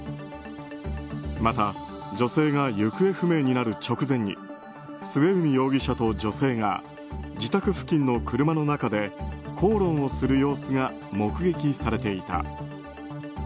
また女性が行方不明になる直前に末海容疑者と女性が自宅付近の車の中で口論をする様子が目撃されていた。